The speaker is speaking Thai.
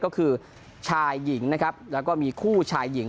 ก็คือชายหญิงนะครับแล้วก็มีคู่ชายหญิง